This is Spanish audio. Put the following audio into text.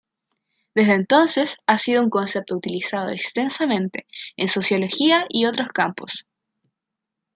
Desde entonces ha sido un concepto utilizado extensamente en sociología y otros campos.